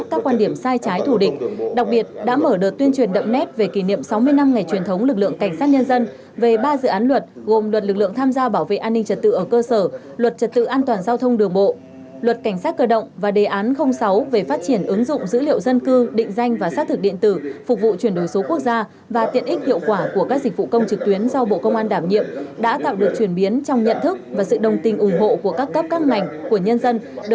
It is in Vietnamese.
cục cảnh sát điều tra tội phạm về kỷ niệm sáu mươi năm ngày truyền thống lực lượng cảnh sát nhân dân về ba dự án luật gồm luật lực lượng tham gia bảo vệ an ninh trật tự ở cơ sở luật trật tự an toàn giao thông đường bộ luật cảnh sát cờ động và đề án sáu về phát triển ứng dụng dữ liệu dân cư định danh và xác thực điện tử phục vụ chuyển đổi số quốc gia và tiện ích hiệu quả của các dịch vụ công trực tuyến do bộ công an đảm nhiệm đã tạo được chuyển biến trong nhận thức và sự đồng tình ủng hộ của các cấp các ngành của nhân d